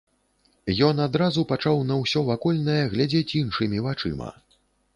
Ён адразу пачаў на ўсё вакольнае глядзець іншымі вачыма.